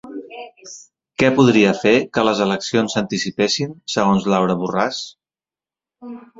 Què podria fer que les eleccions s'anticipessin segons Laura Borràs?